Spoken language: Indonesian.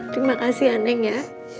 terima kasih aneng ya